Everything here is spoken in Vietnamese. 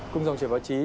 cùng dòng chảy báo chí